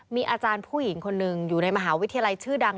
มีอาจารย์ผู้หญิงคนหนึ่งอยู่ในมหาวิทยาลัยชื่อดัง